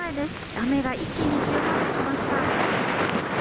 雨が一気に強まってきました。